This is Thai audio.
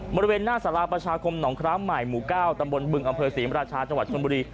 บริเวณหน้าสาราประชาคมหนองคร้าใหม่หมู่๙ตำบลบึงอำเภอศรีมราชาจังหวัดชนบุรี